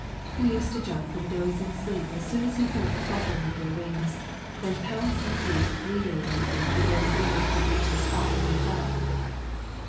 He used to jump from a dozing sleep as soon as he heard the fluttering of their wings, then pounce and feast leisurely on them before the sailors could reach the spot where they fell.